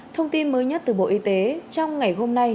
thông tin mới nhất từ bộ y tế trong ngày hôm nay